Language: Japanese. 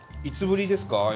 いつぶりですか？